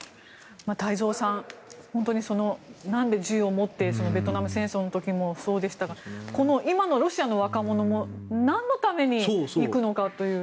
太蔵さんなんで銃を持ってベトナム戦争の時もそうでしたが今のロシアの若者もなんのために行くのかという。